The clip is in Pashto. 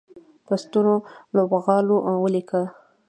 په سترو لوبغالو ولیکه